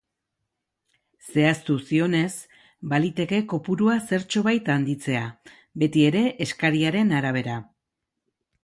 Zehaztu zionez, baliteke kopurua zertxobait handitzea, betiere eskariaren arabera.